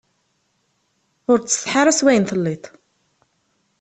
Ur ttsetḥi ara s wayen i telliḍ.